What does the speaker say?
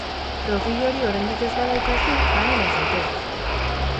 Profil hori oraindik ez badaukazu, anima zaitez!